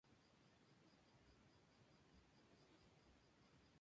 Tiene que asegurarse de que estas personas sean racionales".